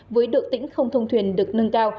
với độ tĩnh không thông thuyền được nâng cao